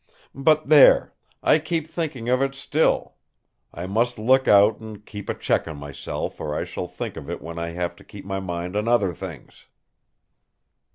But there! I keep thinking of it still. I must look out and keep a check on myself, or I shall think of it when I have to keep my mind on other things!"